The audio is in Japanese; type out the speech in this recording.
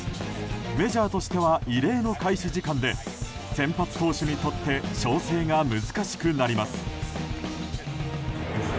メジャーとしては異例の開始時間で先発投手にとって調整が難しくなります。